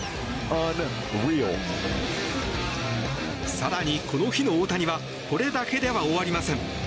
更に、この日の大谷はこれだけでは終わりません。